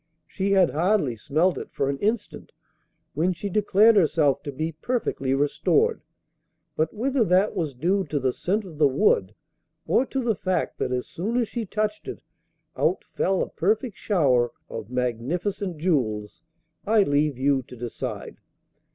She had hardly smelt it for an instant when she declared herself to be perfectly restored; but whether that was due to the scent of the wood or to the fact that as soon as she touched it out fell a perfect shower of magnificent jewels, I leave you to decide.